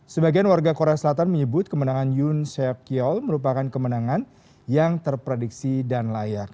sebagian warga korea selatan menyebut kemenangan yun seok kiol merupakan kemenangan yang terprediksi dan layak